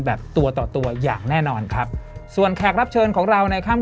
แบบตัวต่อตัวอย่างแน่นอนครับส่วนแขกรับเชิญของเราในค่ำ